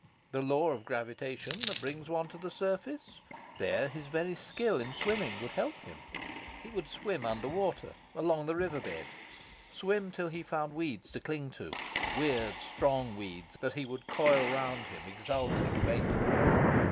The law of gravitation that brings one to the surface? There his very skill in swimming would help him. He would swim under water, along the river bed, swim till he found weeds to cling to, weird strong weeds that he would coil round him, exulting faintly...